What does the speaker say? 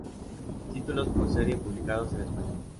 Títulos por serie publicados en español.